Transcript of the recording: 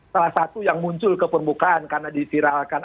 salah satu yang muncul ke permukaan karena diviralkan